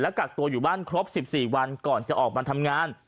กักตัวอยู่บ้านครบ๑๔วันก่อนจะออกมาทำงาน